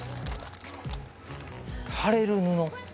貼れる布！